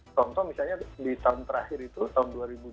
contoh misalnya di tahun terakhir itu tahun dua ribu dua puluh